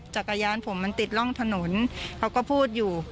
จักรยานผมมันติดร่องถนนเขาก็พูดอยู่